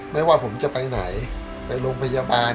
ไม่ว่าผมจะไปไหนไปโรงพยาบาล